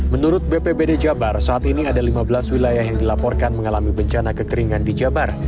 menurut bpbd jabar saat ini ada lima belas wilayah yang dilaporkan mengalami bencana kekeringan di jabar